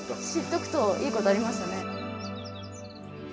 とくといいことありましたね。